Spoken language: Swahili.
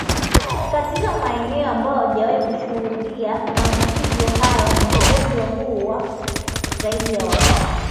Katika maeneo ambayo hayajawahi kushuhudia maambukizi haya ugonjwa huu huua zaidi wanyama